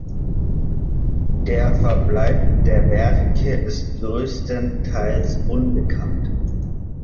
Der Verbleib der Werke ist größtenteils unbekannt.